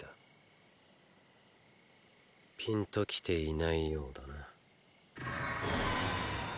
ピンときていないようだな。